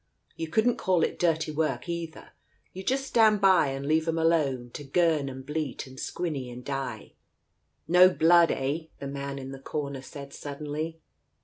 You couldn't call it dirty work either. You just stand by and leave 'em alone — to girn and bleat and squinny and die." "No blood, eh ?" the man in the corner said suddenly.